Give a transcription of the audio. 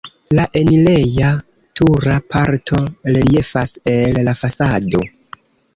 La enireja-tura parto reliefas el la fasado.